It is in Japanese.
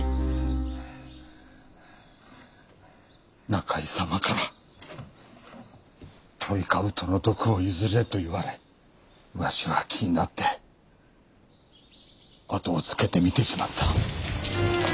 仲井様からトリカブトの毒を譲れと言われわしは気になって後をつけて見てしまった。